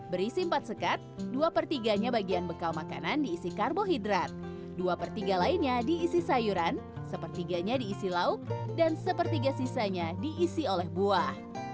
berisi empat sekat dua per tiga nya bagian bekal makanan diisi karbohidrat dua per tiga lainnya diisi sayuran satu per tiga nya diisi lauk dan satu per tiga sisanya diisi oleh buah